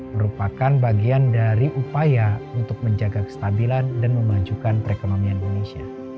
merupakan bagian dari upaya untuk menjaga kestabilan dan memajukan perekonomian indonesia